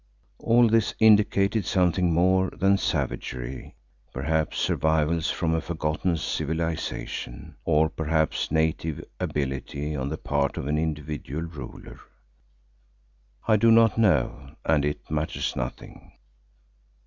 All this indicated something more than savagery, perhaps survivals from a forgotten civilisation, or perhaps native ability on the part of an individual ruler. I do not know and it matters nothing.